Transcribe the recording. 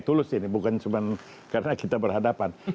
tulus ini bukan cuma karena kita berhadapan